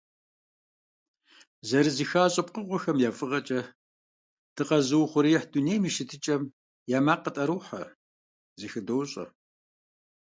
ЗэрызэхащӀэ пкъыгъуэхэм я фӀыгъэкӀэ дыкъэзыухъуреихь дунейм и щытыкӀэхэм я макъ къытӀэрохьэ, зэхыдощӀэ.